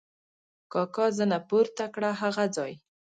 کاکا زنه پورته کړه: هغه ځای!